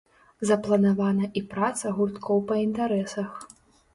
Запланавана і праца гурткоў па інтарэсах.